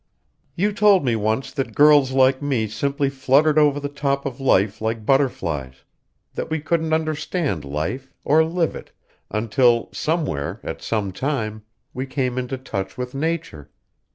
"You told me once that girls like me simply fluttered over the top of life like butterflies; that we couldn't understand life, or live it, until somewhere at some time we came into touch with nature.